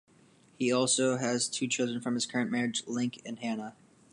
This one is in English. He also has two children from his current marriage, Link and Hannah.